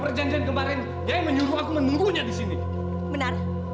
saya akan antarkan kamu ke kampung di bawah sana